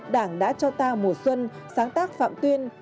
đảng đã cho ta mùa xuân sáng tác phạm tuyên